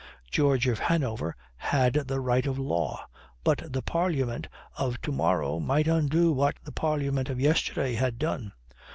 George of Hanover had the right of law, but the Parliament of to morrow might undo what the Parliament of yesterday had done.